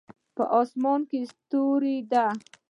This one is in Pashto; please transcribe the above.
په اسمان کې ستوری ده